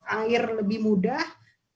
air lebih mudah